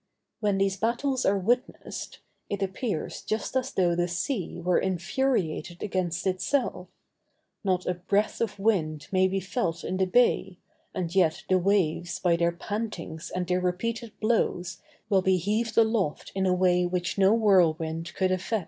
When these battles are witnessed, it appears just as though the sea were infuriated against itself; not a breath of wind may be felt in the bay, and yet the waves by their pantings and their repeated blows will be heaved aloft in a way which no whirlwind could effect.